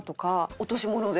落とし物で？